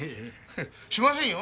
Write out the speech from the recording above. しませんよ。